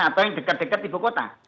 atau yang dekat dekat di buku kota